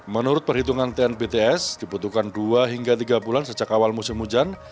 menurut perhitungan tnbts dibutuhkan dua hingga tiga bulan sejak awal musim hujan